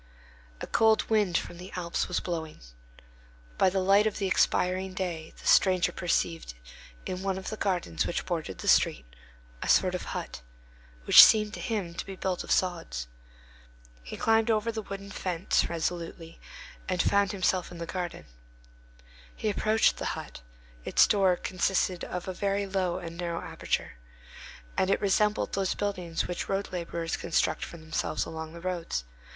A cold wind from the Alps was blowing. By the light of the expiring day the stranger perceived, in one of the gardens which bordered the street, a sort of hut, which seemed to him to be built of sods. He climbed over the wooden fence resolutely, and found himself in the garden. He approached the hut; its door consisted of a very low and narrow aperture, and it resembled those buildings which road laborers construct for themselves along the roads.